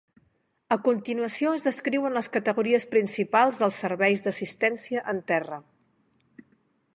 A continuació es descriuen les categories principals dels serveis d'assistència en terra.